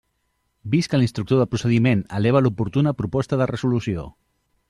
Vist que l'instructor del procediment eleva l'oportuna proposta de resolució.